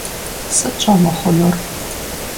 Сыт щӀэмыхъунур?